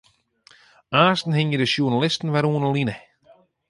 Aansten hingje de sjoernalisten wer oan 'e line.